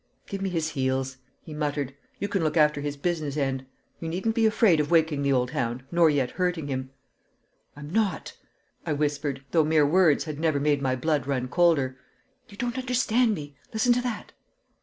"Give me his heels," he muttered; "you can look after his business end. You needn't be afraid of waking the old hound, nor yet hurting him." "I'm not," I whispered, though mere words had never made my blood run colder. "You don't understand me. Listen to that!"